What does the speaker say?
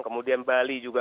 kemudian bali juga